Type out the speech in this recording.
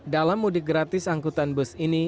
dalam mudik gratis angkutan bus ini